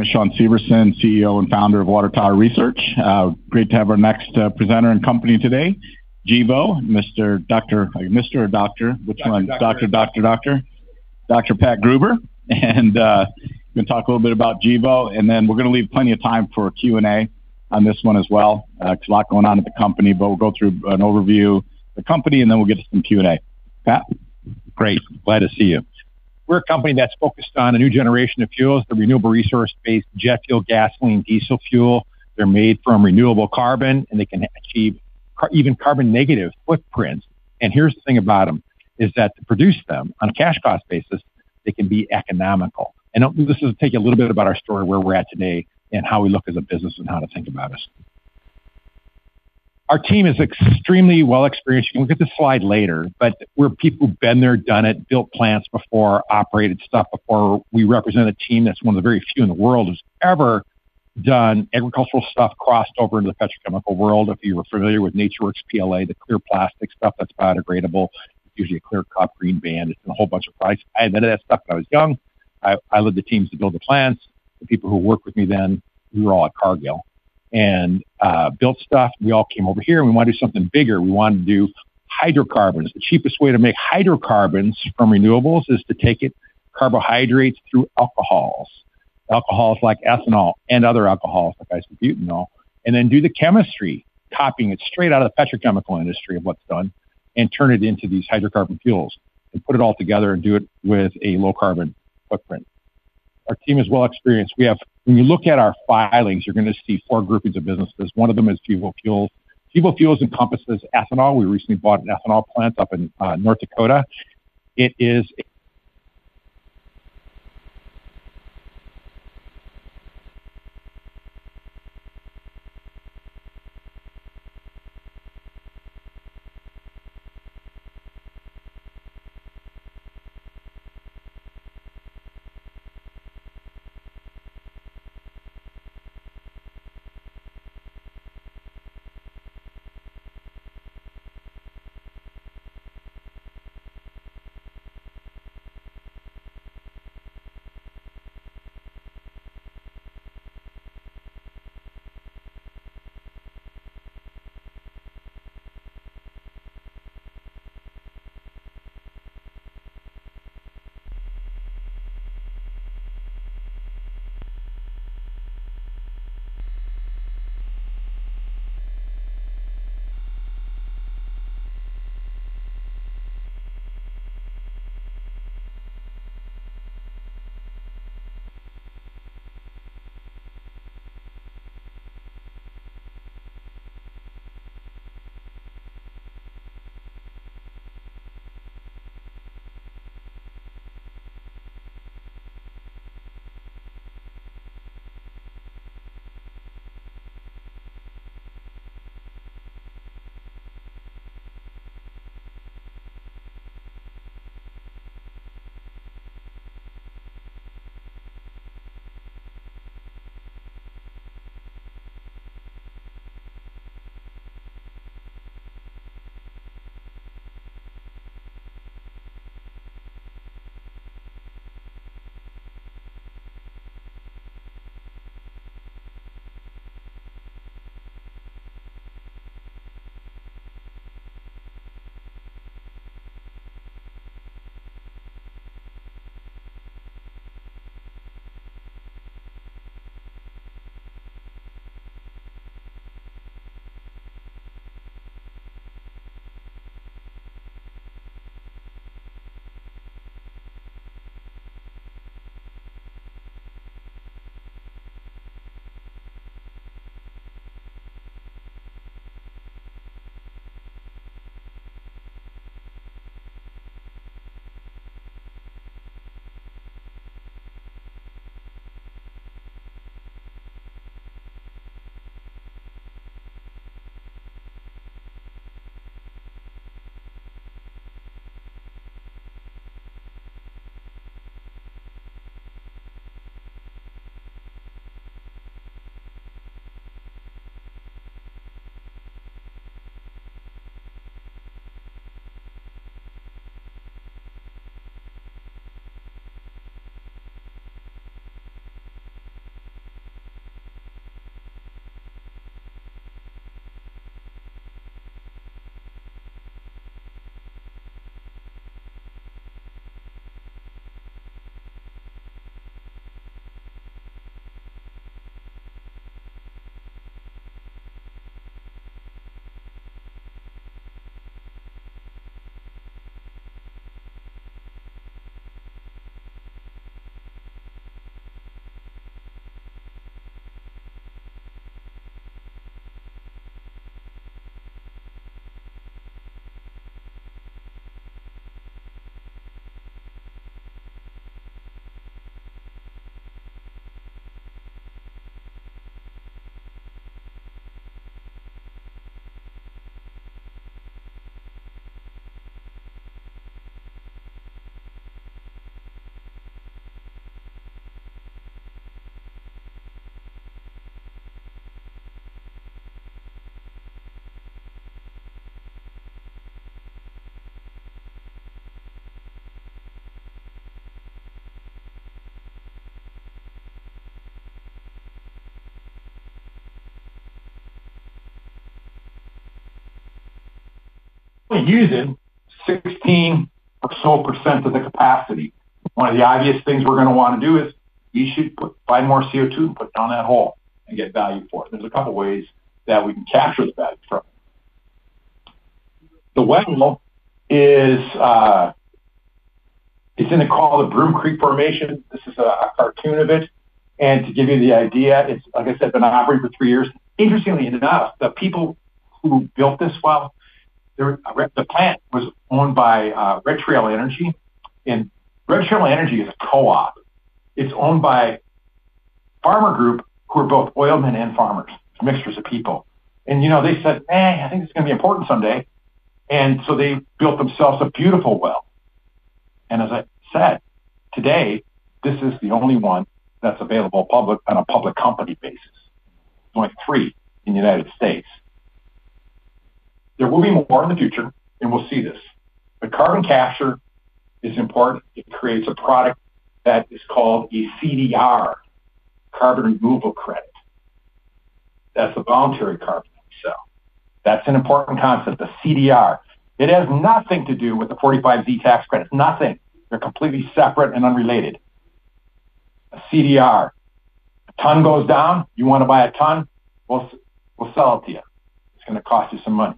I'm Sean Severson, CEO and founder of Water Tower Research. Great to have our next presenter and company today, Gevo. Doctor, are you Mr. or Doctor? Which one? Doctor, Doctor, Doctor. Dr. Pat Gruber. We're going to talk a little bit about Gevo, and then we're going to leave plenty of time for Q&A on this one as well. There's a lot going on at the company, but we'll go through an overview of the company, and then we'll get to some Q&A. Pat? Great. Glad to see you. We're a company that's focused on a new generation of fuels, the renewable resource-based jet fuel, gasoline, and diesel fuel. They're made from renewable carbon, and they can achieve even carbon-negative footprints. Here's the thing about them, is that to produce them on a cash cost basis, they can be economical. I'll do this to take a little bit about our story, where we're at today, and how we look as a business and how to think about us. Our team is extremely well experienced. We'll get this slide later, but we're people who've been there, done it, built plants before, operated stuff before. We represent a team that's one of the very few in the world who's ever done agricultural stuff crossed over into the petrochemical world. If you were familiar with NatureWorks PLA, the clear plastic stuff that's biodegradable, usually a clear cup, green band, and a whole bunch of products. I invented that stuff when I was young. I led the teams to build the plants. The people who worked with me then, we were all at Cargill and built stuff. We all came over here, and we wanted to do something bigger. We wanted to do hydrocarbons. The cheapest way to make hydrocarbons from renewables is to take carbohydrates through alcohols. Alcohols like ethanol and other alcohols like isobutanol, and then do the chemistry, copying it straight out of the petrochemical industry of what's done, and turn it into these hydrocarbon fuels. Put it all together and do it with a low carbon footprint. Our team is well experienced. When you look at our filings, you're going to see four groupings of businesses. One of them is Gevo Fuels. Gevo Fuels encompasses ethanol. We recently bought an ethanol plant up in North Dakota. We're using 16% of 12% of the capacity. One of the obvious things we're going to want to do is you should buy more CO2 and put down that hole and get value for it. There's a couple of ways that we can capture the value for it. The wetland look is, it's in a call to Broom Creek Formation. This is a cartoon of it. To give you the idea, it's, like I said, been operating for three years. Interestingly enough, the people who built this, the plant was owned by Red Trail Energy. Red Trail Energy is a co-op. It's owned by a farmer group who are both oilmen and farmers, mixtures of people. They said, I think it's going to be important someday, and they built themselves a beautiful well. As I said, today, this is the only one that's available on a public company basis, only three in the United States. They're moving more in the future, and we'll see this. Carbon capture is important. It creates a product that is called a CDR, Carbon Dioxide Removal credit. That's the voluntary carbon they sell. That's an important concept, the CDR. It has nothing to do with the 45Z tax credit, nothing. They're completely separate and unrelated. CDR. A ton goes down. You want to buy a ton? We'll sell it to you. It's going to cost you some money.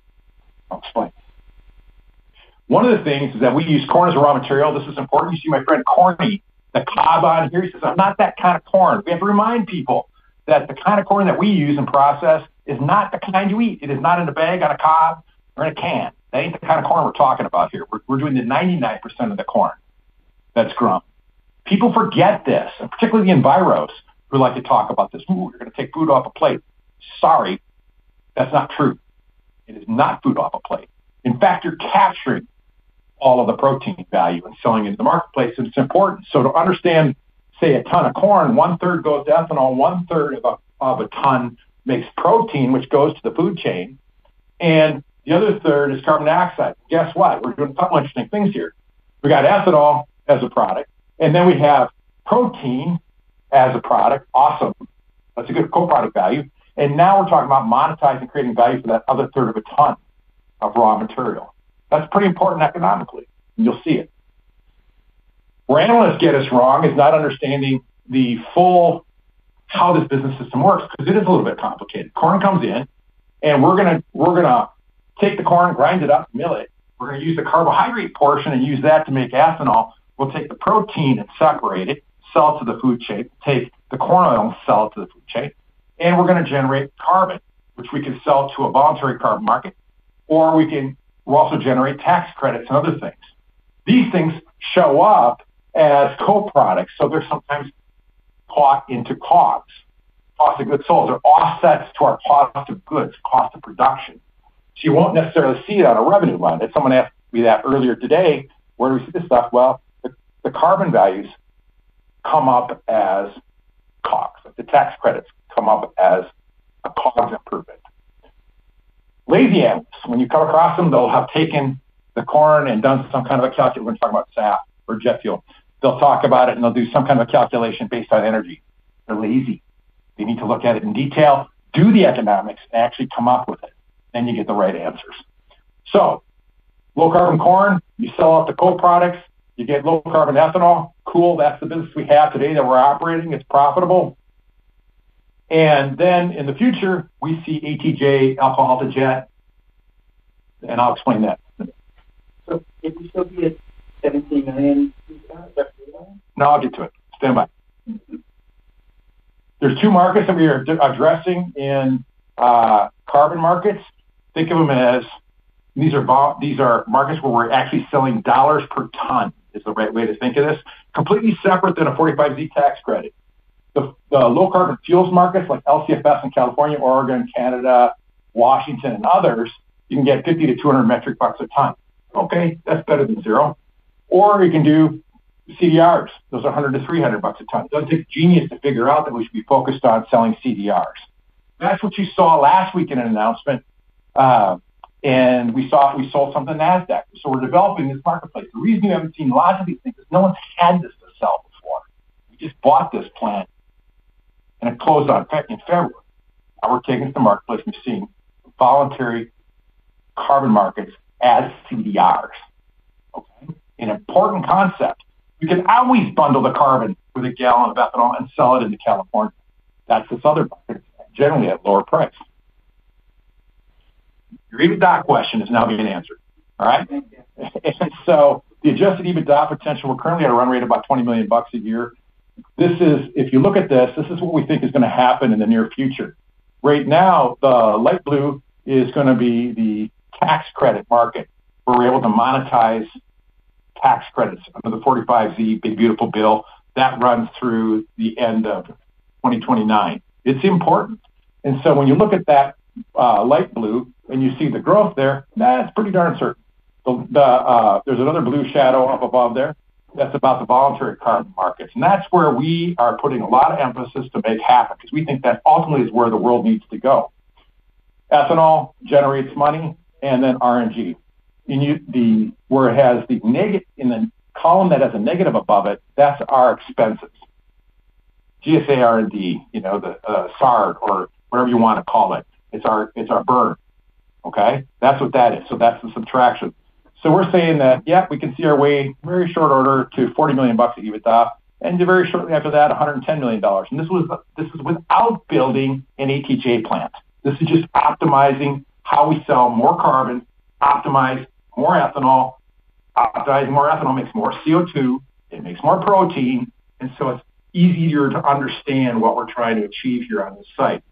One of the things is that we use corn as a raw material. This is important. You see my friend Corny, the cob out of here. He says, I'm not that kind of corn. We have to remind people that the kind of corn that we use in process is not the kind you eat. It is not in a bag, on a cob, or in a can. That ain't the kind of corn we're talking about here. We're doing the 99% of the corn that's grown. People forget this, particularly the enviros who like to talk about this food. You're going to take food off a plate. Sorry, that's not true. Not food off a plate. In fact, you're capturing all of the protein value and selling it in the marketplace. It's important. To understand, say, a ton of corn, one third goes to ethanol, one third of a ton makes protein, which goes to the food chain, and the other third is carbon dioxide. Guess what? We're doing a couple of interesting things here. We got ethanol as a product, and then we have protein as a product. Awesome. That's a good co-product value. Now we're talking about monetizing, creating value for that other third of a ton of raw material. That's pretty important economically. You'll see it. Where analysts get us wrong is not understanding how this business system works, because it is a little bit complicated. Corn comes in, and we're going to take the corn, grind it up, mill it. We're going to use the carbohydrate portion and use that to make ethanol. We will take the protein and separate it, sell it to the food chain, take the corn oil, and sell it to the food chain. We are going to generate carbon, which we can sell to a voluntary carbon market, or we can also generate tax credits and other things. These things show up as co-products, so they are sometimes caught into costs. Cost of goods sold are offsets to our cost of goods, cost of production. You will not necessarily see it on a revenue line. If someone asked me that earlier today, where do we see this stuff? The carbon values come up as costs. The tax credits come up as a cost improvement. Lazy analysts, when you come across them, they will have taken the corn and done some kind of a calculation. We are talking about SAF or jet fuel. They will talk about it, and they will do some kind of a calculation based on energy. They are lazy. They need to look at it in detail, do the economics, and actually come up with it, and you get the right answers. Low carbon corn, you sell out the co-products, you get low carbon ethanol. Cool, that is the business we have today that we are operating. It is profitable. In the future, we see ATJ, Alcohol-to-Jet, and I will explain that. No, I will get to it. Stand by. There are two markets that we are addressing in carbon markets. Think of them as these are markets where we are actually selling dollars per ton, is the right way to think of this. Completely separate than a 45Z tax credit. The low carbon fuels markets like LCFS in California, Oregon, Canada, Washington, and others, you can get $50 to $200 a ton. That is better than zero. You can do CDRs. Those are $100 to $300 a ton. It does not take a genius to figure out that we should be focused on selling CDRs. That is what you saw last week in an announcement. We saw we sold something in NASDAQ. We are developing this marketplace. The reason you have not seen lots of these things is no one has handed us this sell this water. We just bought this plant and it closed on Peck in February. Now we are taking it to the marketplace and seeing voluntary carbon markets as CDRs. An important concept. You can always bundle the carbon with a gallon of ethanol and sell it into California. That is this other market, generally at a lower price. Your EBITDA question is now being answered. The adjusted EBITDA potential, we are currently at a run rate of about $20 million a year. This is, if you look at this, this is what we think is going to happen in the near future. Right now, the light blue is going to be the tax credit market where we're able to monetize tax credits. Another 45Z, big beautiful bill that runs through the end of 2029. It's important. When you look at that light blue and you see the growth there, that's pretty darn certain. There's another blue shadow up above there that's about the voluntary carbon markets. That's where we are putting a lot of emphasis to make happen, because we think that ultimately is where the world needs to go. Ethanol generates money, and then R&D. Where it has the negative in the column that has a negative above it, that's our expenses. GSA, R&D, you know, the SARD or whatever you want to call it. It's our burn. That's what that is. That's the subtraction. We're saying that, yeah, we can see our way in very short order to $40 million a year with that. Very shortly after that, $110 million. This was without building an ATJ plant. This is just optimizing how we sell more carbon, optimize more ethanol. Optimizing more ethanol makes more CO2. It makes more protein. It's easier to understand what we're trying to achieve here on this site.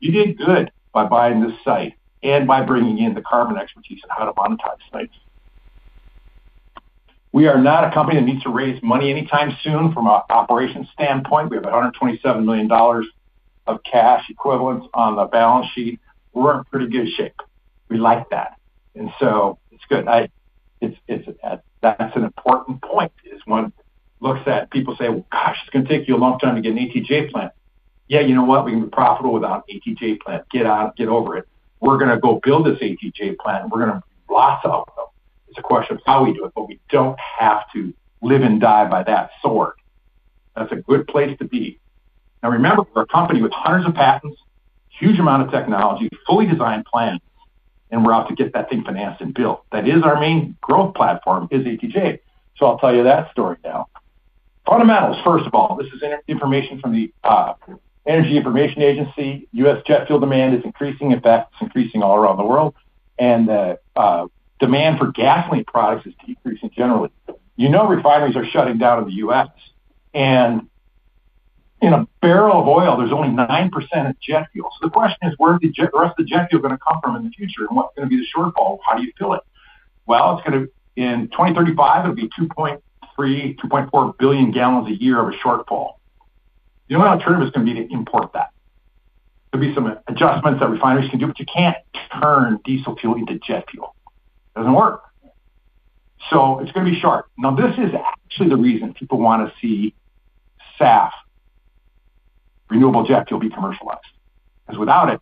You did good by buying this site and by bringing in the carbon expertise on how to monetize sites. We are not a company that needs to raise money anytime soon from an operations standpoint. We have $127 million of cash equivalent on the balance sheet. We're in pretty good shape. We like that. That's an important point. As one looks at it, people say, gosh, it's going to take you a long time to get an ATJ plant. You know what? We can be profitable without an ATJ plant. Get out of it. Get over it. We're going to go build this ATJ plant. We're going to lots of them. It's a question of how we do it, but we don't have to live and die by that sword. That's a good place to be. Now remember, we're a company with hundreds of patents, huge amount of technology, fully designed plant, and we're out to get that thing financed and built. That is our main growth platform is ATJ. I'll tell you that story now. Fundamentals, first of all, this is information from the Energy Information Agency. U.S. jet fuel demand is increasing. In fact, it's increasing all around the world. The demand for gasoline products is decreasing generally. Refineries are shutting down in the U.S. In a barrel of oil, there's only 9% of jet fuel. The question is, where is the rest of the jet fuel going to come from in the future? What's going to be the shortfall? How do you fill it? In 2035, it'll be 2.3, 2.4 billion gallons a year of a shortfall. The only alternative is going to be to import that. There will be some adjustments that refineries can do, but you can't turn diesel fuel into jet fuel. It doesn't work. It's going to be sharp. This is actually the reason people want to see SAF, renewable jet fuel, be commercialized. Without it,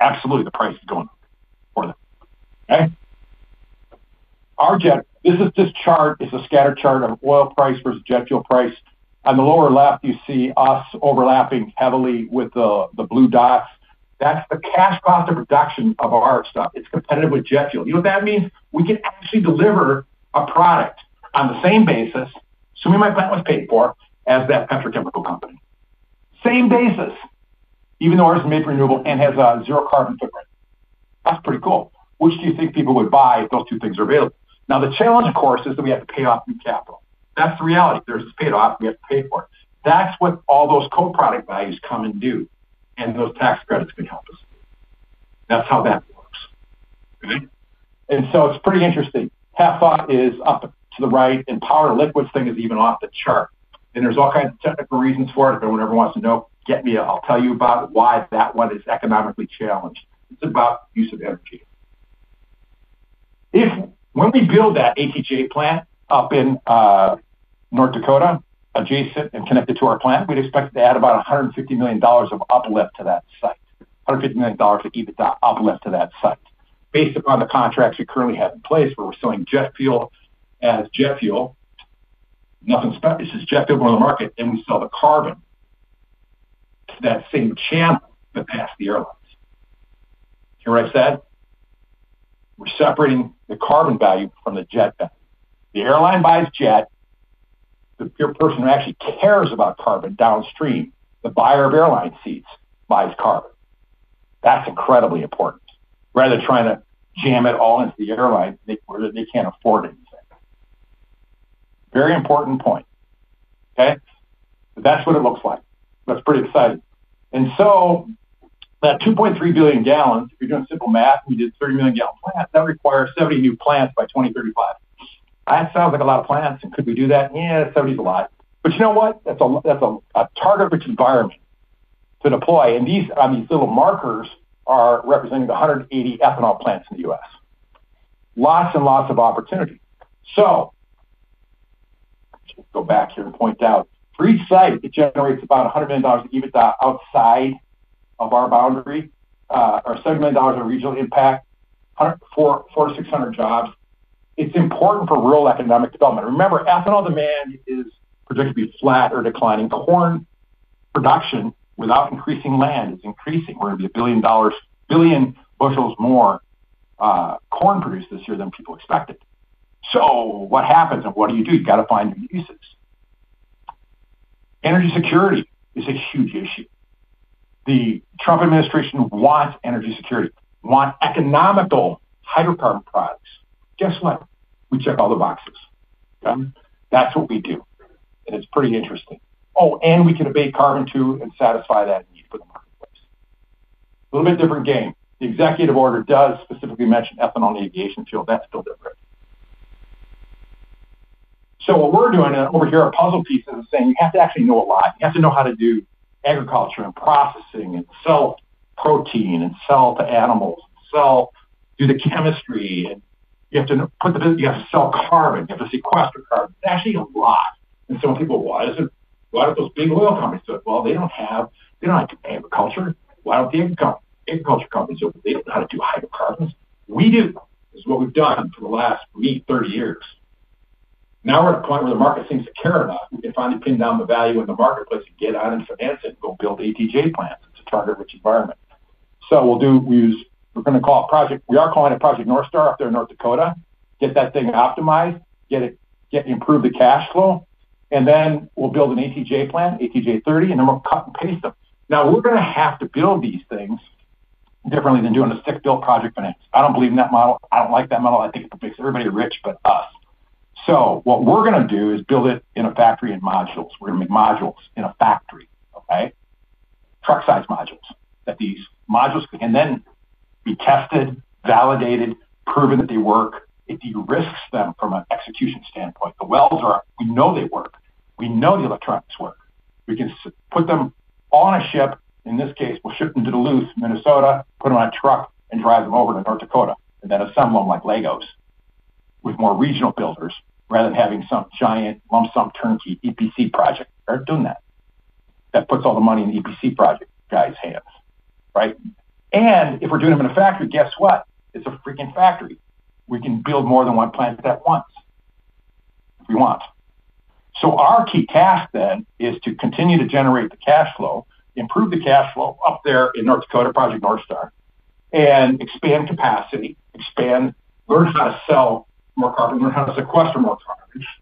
absolutely, the price is going up for them. Our jet, this chart is a scatter chart of oil price versus jet fuel price. On the lower left, you see us overlapping heavily with the blue dots. That's the cash cost of production of our stuff. It's competitive with jet fuel. You know what that means? We can actually deliver a product on the same basis, assuming my plant was paid for, as that petrochemical company. Same basis, even though ours is made for renewable and has a zero carbon footprint. That's pretty cool. Which do you think people would buy if those two things are available? The challenge, of course, is that we have to pay off new capital. That's the reality. Theirs is paid off. We have to pay for it. That's what all those co-product values come and do. Those tax credits can help us. That's how that works. It's pretty interesting. Half thought is up to the right, and power and liquids thing is even off the chart. There are all kinds of technical reasons for it. If anyone ever wants to know, get me. I'll tell you about it. Why that one is economically challenged. It's about the use of energy. If one of these builds that ATJ plant up in North Dakota, adjacent and connected to our plant, we'd expect to add about $150 million of uplift to that site. $150 million of EBITDA uplift to that site. Based upon the contracts we currently have in place, where we're selling jet fuel as jet fuel, nothing's done. It's just jet fuel going to the market, and we sell the carbon to that same channel that passed the airlines. You hear what I said? We're separating the carbon value from the jet value. The airline buys jet. The person who actually cares about carbon downstream, the buyer of airline seats, buys carbon. That's incredibly important. Rather than trying to jam it all into the airline, make it where they can't afford anything. Very important point. Okay? That's what it looks like. That's pretty exciting. That 2.3 billion gallons, if you're doing simple math, we did 30 million gallon plants. That requires 70 new plants by 2035. That sounds like a lot of plants. Could we do that? Yeah, 70 is a lot. You know what? That's a targetable environment to deploy. These little markers are representing the 180 ethanol plants in the U.S. Lots and lots of opportunity. Let's go back here and point out, for each site, it generates about $100 million of EBITDA outside of our boundary, or $30 million of regional impact, 400 to 600 jobs. It's important for rural economic development. Remember, ethanol demand is predicted to be flat or declining. Corn production without increasing land is increasing. We're going to be a billion bushels more corn produced this year than people expected. What happens? What do you do? You've got to find new uses. Energy security is a huge issue. The Trump administration wants energy security, wants economical hydrocarbon products. Guess what? We check all the boxes. That's what we do. It's pretty interesting. We can evade carbon too and satisfy that need for the marketplace. A little bit different game. The executive order does specifically mention ethanol in the aviation field. That's still different. What we're doing over here, our puzzle pieces are saying you have to actually know a lot. You have to know how to do agriculture and processing and sell protein and sell to animals, sell, do the chemistry. You have to sell carbon. You have to sequester carbon. It's actually a lot. When people ask, why don't those big oil companies do it? They don't have agriculture. Why don't the agriculture companies do it? They don't know how to do hydrocarbons. We do. This is what we've done for the last, me, 30 years. Now we're at a point where the market seems to care about it. We can finally pin down the value in the marketplace and get on it. For instance, we'll build ATJ plants. It's a targetable environment. We use, we're going to call it Project North Star up there in North Dakota. Get that thing optimized, get it, get you improved the cash flow, and then we'll build an ATJ plant, ATJ 30, and then we'll cut and paste them. Now we're going to have to build these things differently than doing a stick-built project finance. I don't believe in that model. I don't like that model. I think it makes everybody rich but us. What we're going to do is build it in a factory in modules. We're going to make modules in a factory, okay? Truck-sized modules that these modules can then be tested, validated, proven that they work. It de-risks them from an execution standpoint. The wells are, you know they work. We know the electronics work. We can put them on a ship. In this case, we'll ship them to Duluth, Minnesota, put them on a truck, and drive them over to North Dakota. That'll sell them like Legos with more regional builders rather than having some giant lump sum turnkey EPC project. They're doing that. That puts all the money in the EPC project guy's hands, right? If we're doing them in a factory, guess what? It's a freaking factory. We can build more than one plant at once if we want. Our key task then is to continue to generate the cash flow, improve the cash flow up there in North Dakota, Project North Star, and expand capacity, expand, learn how to sell more carbon, learn how to sequester more.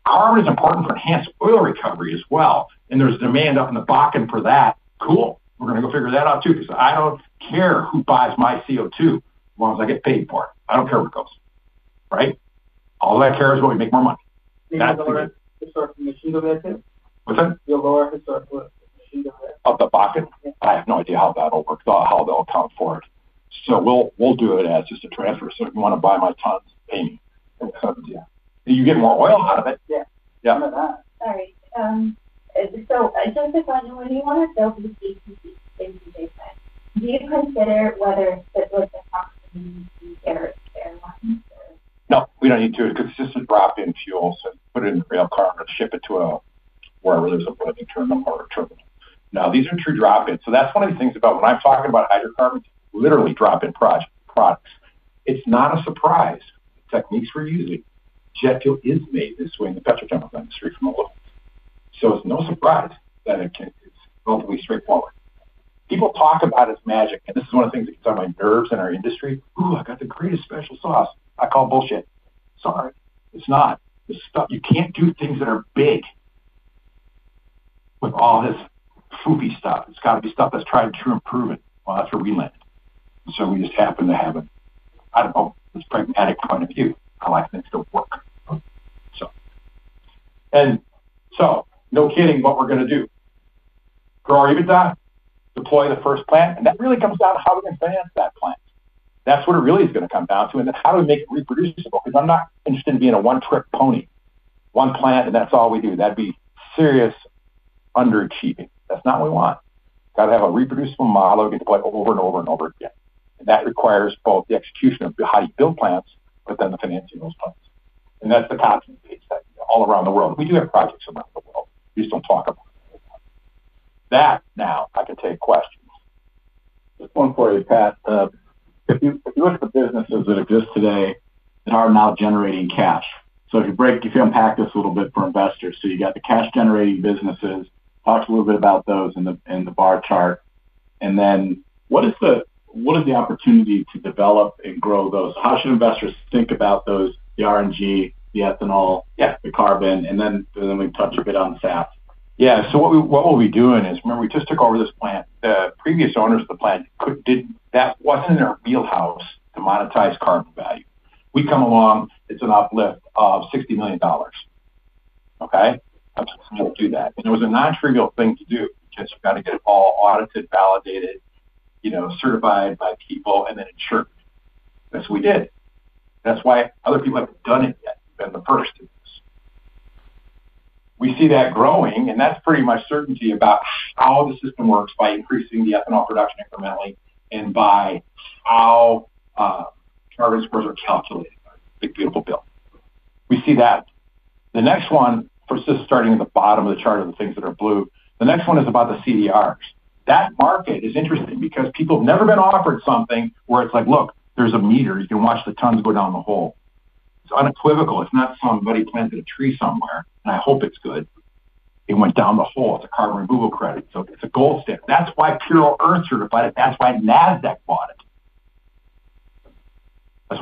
Carbon is important for enhanced oil recovery as well. There's a demand up in the bucket for that. Cool. We're going to go figure that out too, because I don't care who buys my CO2 as long as I get paid for it. I don't care where it goes, right? All I care is what we make more money. You'll lower it to what? I have no idea how that'll work, how they'll account for it. We'll do it as just a transfer. If you want to buy my tons, pay me. Okay, sounds good. You get more oil out of it. Yeah. Yeah. I don't know that. All right. Joseph, when you want to build these ATJ plant designs, do you consider whether to put them off in these areas? No, we don't need to, because it's just a drop-in fuel. Put it in the rail car and ship it to wherever. There's a limit to a number of trips. These are true drop-ins. That's one of the things about when I'm talking about hydrocarbons, literally drop-in products. It's not a surprise. Techniques we're using. Jet fuel is made this way in the petrochemical industry from old. It's no surprise that it's going to be straightforward. People talk about it as magic. This is one of the things that gets on my nerves in our industry. Ooh, I got the greatest special sauce. I call it bullshit. Sorry. It's not. You can't do things that are big with all this foofy stuff. It's got to be stuff that's tried and true and proven. That's where we land. We just happen to have a, I don't know, pragmatic point of view. I'll add it to the work. No kidding, what we're going to do: grow our EBITDA, deploy the first plant, and that really comes down to how we're going to finance that plant. That's what it really is going to come down to. How do we make it reproducible? I'm not interested in being a one-trip pony. One plant, and that's all we do. That'd be serious underachieving. That's not what we want. Got to have a reproducible model to be deployed over and over and over again. That requires both the execution of how you build plants, but then the financing of those plants. That's the topics all around the world. We do have projects around the world. We just don't talk about them. Now, I could take questions. Just one question, Pat. If you look at the businesses that exist today and are now generating cash, if you unpack this a little bit for investors, you got the cash-generating businesses. Talk a little bit about those in the bar chart. What is the opportunity to develop and grow those? How should investors think about those, the R&D, the ethanol, the carbon, and then we can touch a bit on the SaaS. Yeah, so what we'll be doing is, remember we just took over this plant. The previous owners of the plant didn't, that wasn't in their wheelhouse to monetize carbon value. We come along, it's an uplift of $60 million. Okay? That's the time to do that. It was a non-trivial thing to do because you've got to get it all audited, validated, certified by people, and then insured. That's what we did. That's why other people haven't done it yet. We've been the first to do this. We see that growing, and that's pretty much certainty about how the system works by increasing the ethanol production incrementally and by how carbon exposure is calculated by the vehicle built. We see that. The next one, first just starting at the bottom of the chart of the things that are blue. The next one is about the CDRs. That market is interesting because people have never been offered something where it's like, look, there's a meter. You can watch the tons go down the hole. It's unequivocal. It's not somebody planted a tree somewhere, and I hope it's good. It went down the hole. It's a carbon removal credit. So it's a gold standard. That's why Carolyn Romero certified it. That's why NASDAQ bought it. That's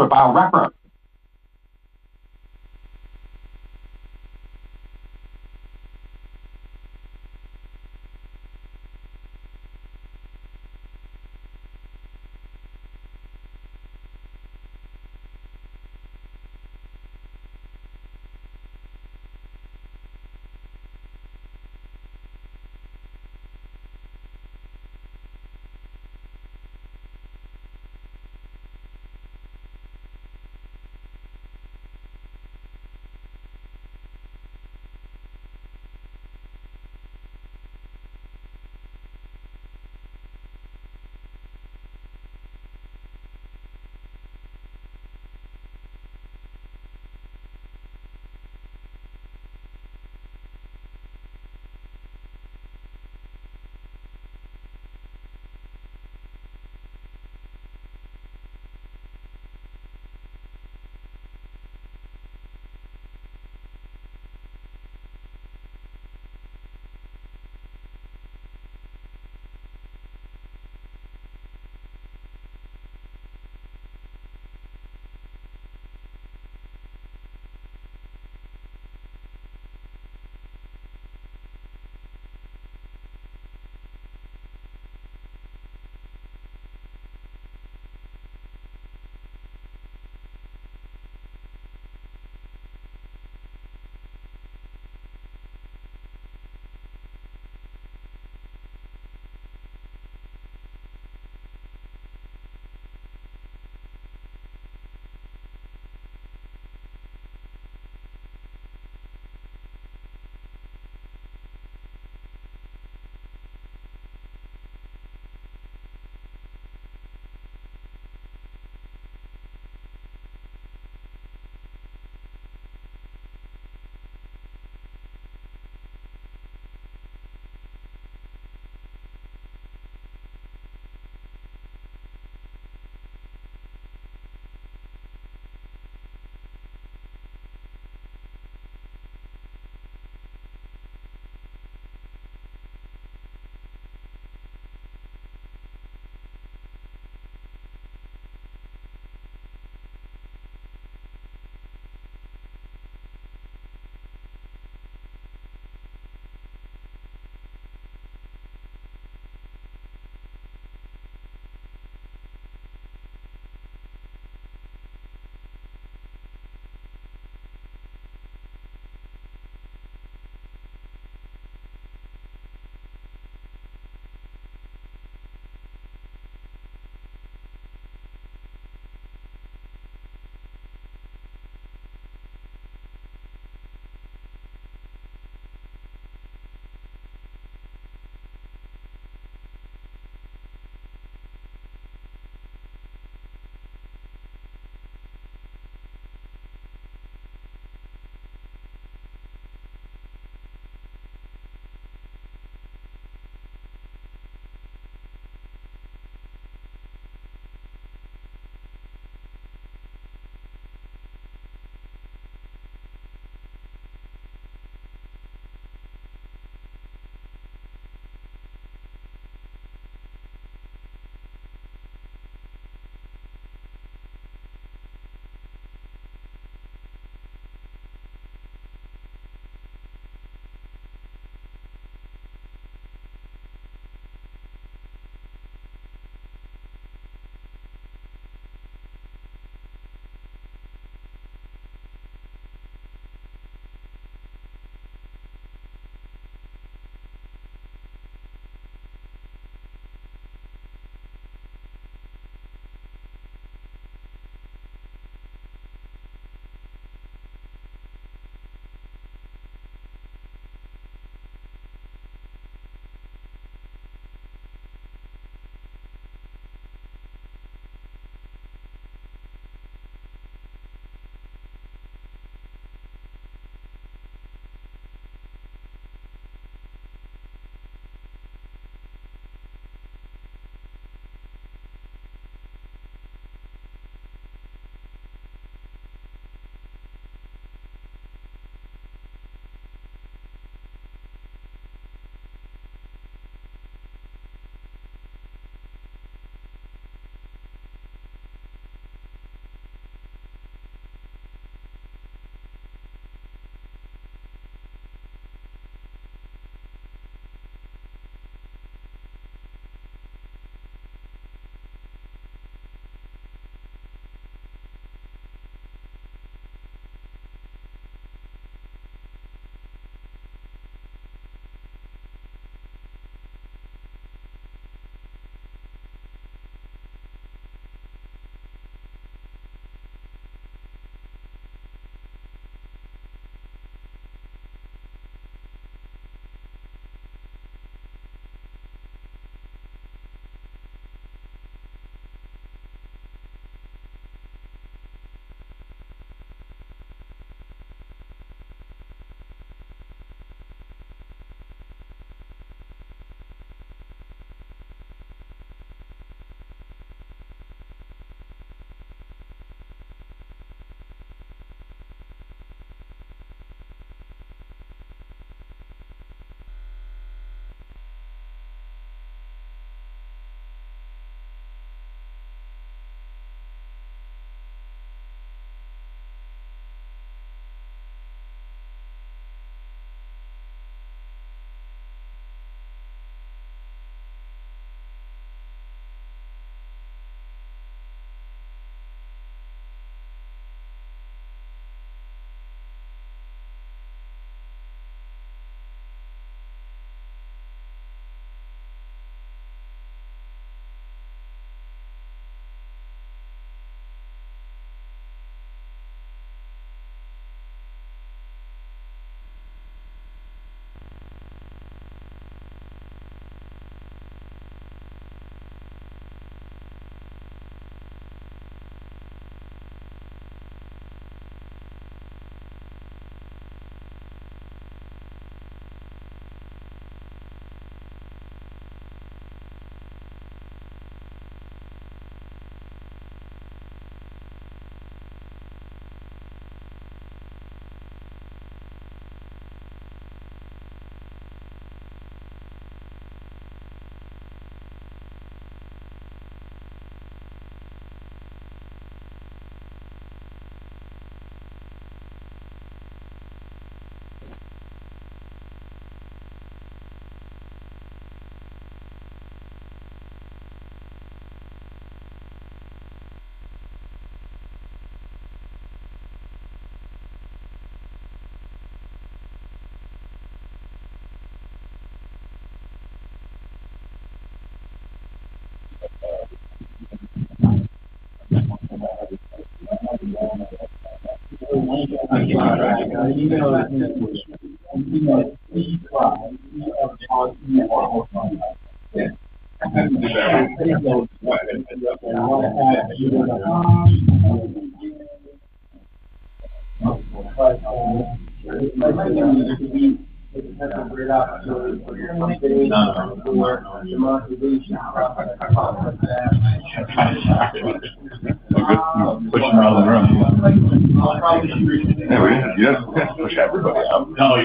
why.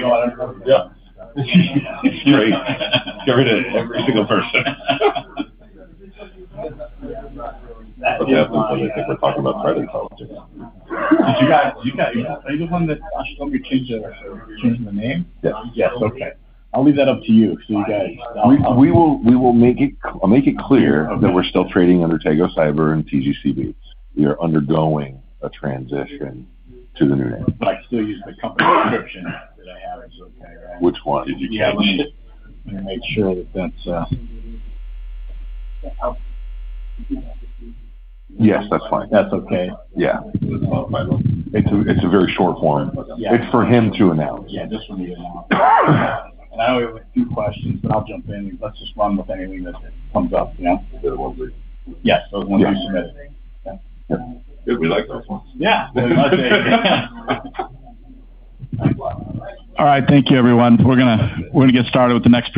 Yeah, it's not pushing all around you, I'm not even going to deny it. I understand. You have to push everybody. I'm sure you covered every single person. Did you guys, you know, anyone that asked about me changing the name? Yeah. Okay. I'll leave that up to you guys. We will make it clear that we're still trading under Gevo and GEVO. We are undergoing a transition to the new name. I still use the company description that I have too. Which one did you choose? Yeah, let me make sure that's. Yes, that's fine. That's okay? Yeah. If I look. It's a very short one. Yeah, it's for him to announce. Yeah, this one is. Okay. I have a few questions, but I'll jump in. Let's just run with anything that comes up, yeah? Yeah, those ones we submitted. Yeah. We like those ones. Yeah, I love it. All right, thank you, everyone. We're going to get started with the next.